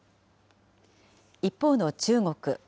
一方の中国。